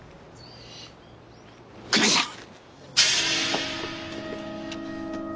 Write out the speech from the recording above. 久米さん！